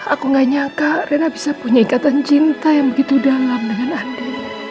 aku gak nyangka rina bisa punya ikatan cinta yang begitu dalam dengan anda